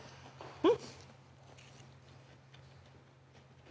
うん！